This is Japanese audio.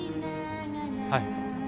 はい。